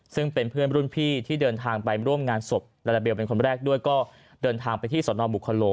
ซึ่งเป็นเพื่อนรุ่นพี่ที่เดินทางไปร่วมงานศพลาลาเบลเป็นคนแรกด้วยก็เดินทางไปที่สนบุคโล